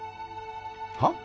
はっ？